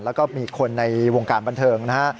แล้วก็มีคนในวงการบันเทิงนะฮะ